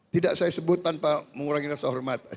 tidak saya sebut tanpa mengurangi rasa hormat